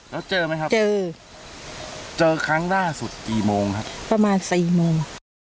แล้วเจอไหมครับเจอเจอครั้งล่าสุดกี่โมงครับประมาณสี่โมง